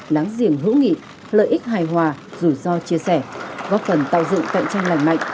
láng giềng hữu nghị lợi ích hài hòa rủi ro chia sẻ góp phần tạo dựng cạnh tranh lành mạnh